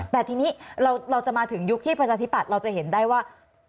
แต่ทีนี้เราจะมาถึงยุคที่ประชาธิปัตย์เราจะเห็นได้ว่า